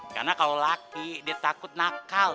karena kalau laki dia takut nakal